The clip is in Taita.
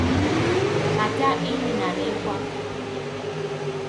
Hata ini nanekwa